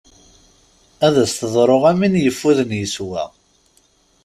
Ad as-teḍru am win ifuden yeswa.